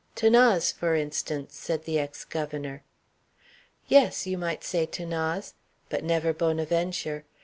"'Thanase, for instance," said the ex governor. "Yes, you might say 'Thanase; but never Bonaventure.